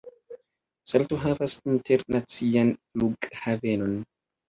Salto havas internacian flughavenon.